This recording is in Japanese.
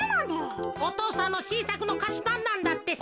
お父さんのしんさくのかしパンなんだってさ。